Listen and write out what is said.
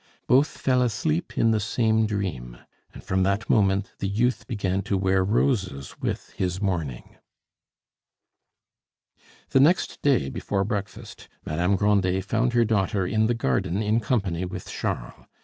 Both fell asleep in the same dream; and from that moment the youth began to wear roses with his mourning. The next day, before breakfast, Madame Grandet found her daughter in the garden in company with Charles.